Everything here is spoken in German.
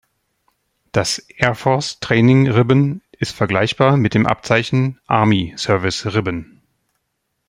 Das Air Force Training Ribbon ist vergleichbar mit dem Abzeichen Army Service Ribbon.